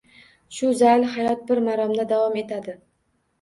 Shu zayl hayot bir maromda davom etadi.